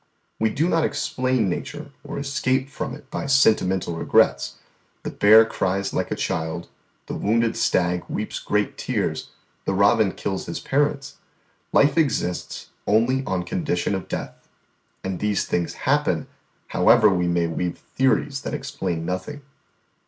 "We do not explain nature or escape from it by sentimental regrets: the hare cries like a child, the wounded stag weeps great tears, the robin kills his parents; life exists only on condition of death; and these things happen however we may weave theories that explain nothing.